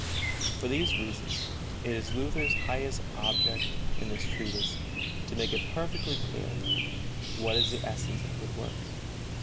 For these reasons it is Luther's highest object in this treatise to make it perfectly clear what is the essence of good works.